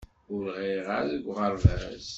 Ur ɣriɣ ara deg uɣerbaz.